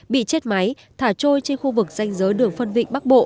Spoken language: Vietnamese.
bị chết máy thả trôi trên khu vực danh giới đường phân vịnh bắc bộ